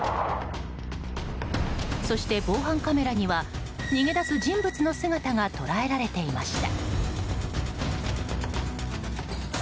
そして、防犯カメラには逃げ出す人物の姿が捉えられていました。